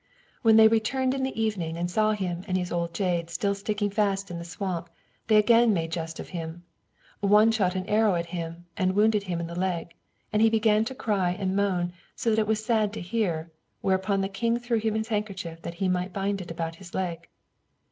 When they returned in the evening and saw him and his old jade still sticking fast in the swamp, they again made a jest of him; one shot an arrow at him and wounded him in the leg, and he began to cry and moan so that it was sad to hear, whereupon the king threw him his handkerchief that he might bind it about his leg.